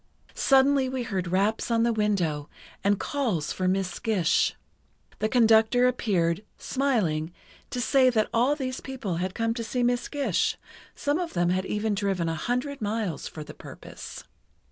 Suddenly we heard raps on the window and calls for Miss Gish. The conductor appeared, smiling, to say that all these people had come to see Miss Gish, some of them had even driven a hundred miles for the purpose.